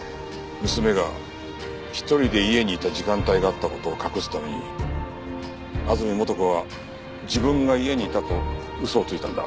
娘が１人で家にいた時間帯があった事を隠すために安積素子は自分が家にいたと嘘をついたんだ。